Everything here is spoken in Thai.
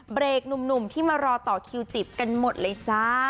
เบรกหนุ่มที่มารอต่อคิวจีบกันหมดเลยจ้า